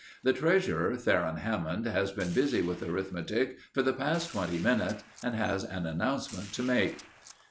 The treasurer, Theron Hammond, has been busy with arithmetic for the past twenty minutes and has an announcement to make."